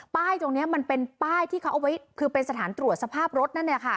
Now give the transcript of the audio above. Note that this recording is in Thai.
ป้ายตรงนี้มันเป็นป้ายที่เขาเอาไว้คือเป็นสถานตรวจสภาพรถ